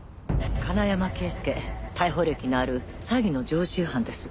金山圭介逮捕歴のある詐欺の常習犯です。